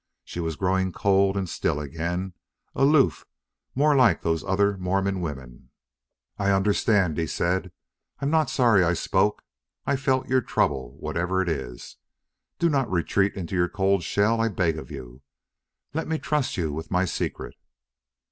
She was growing cold and still again, aloof, more like those other Mormon women. "I understand," he said. "I'm not sorry I spoke. I felt your trouble, whatever it is.... Do not retreat into your cold shell, I beg of you.... Let me trust you with my secret."